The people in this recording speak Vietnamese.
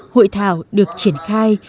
hội thảo được triển khai